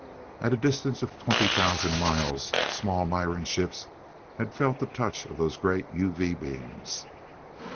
At a distance of twenty thousand miles, small Miran ships had felt the touch of those great UV beams.